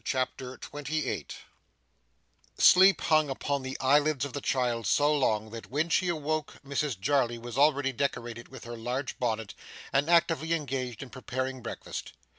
CHAPTER 28 Sleep hung upon the eyelids of the child so long, that, when she awoke, Mrs Jarley was already decorated with her large bonnet, and actively engaged in preparing breakfast.